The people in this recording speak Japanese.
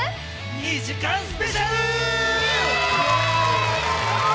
２時間スペシャル！！